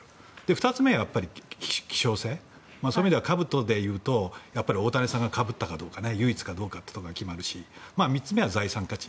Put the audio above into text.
２つ目が希少性そういう意味ではかぶとでいうと大谷さんがかぶったかどうか唯一かどうかで決めるし３つ目は財産価値。